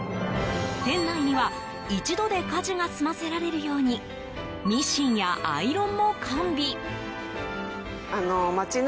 店内には一度で家事が済ませられるようにミシンやアイロンも完備。